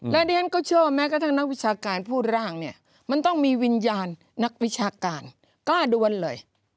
แล้วดิฉันก็เชื่อว่าแม้กระทั่งนักวิชาการพูดร่างเนี่ยมันต้องมีวิญญาณนักวิชาการกล้าดวนเลย